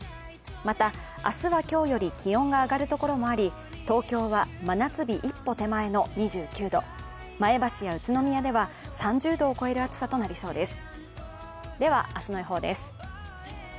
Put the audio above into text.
また明日は今日より気温が上がるところもあり東京は真夏日一歩手前の２９度、前橋や宇都宮では３０度を超える暑さとなりそうです。